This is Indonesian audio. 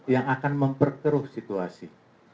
yang akan memperkeruh situasi